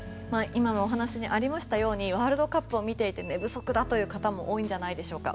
今のお話にありましたようにワールドカップを見ていて寝不足だという方も多いんじゃないでしょうか。